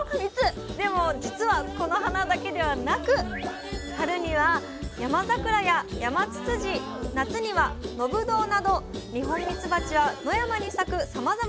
でも実はこの花だけではなく春にはヤマザクラやヤマツツジ夏にはノブドウなど二ホンミツバチは野山に咲くさまざまな野花を好みます。